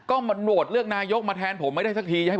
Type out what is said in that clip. ก็มันโหวตเลือกนายกมาแทนผมไม่ได้สักที